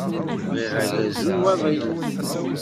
Bɣiɣ agazu n waḍil.